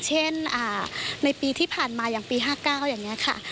เช่นในปีที่ผ่านมาอย่างปี๕๙อย่างนี้ค่ะ